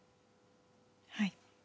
はい。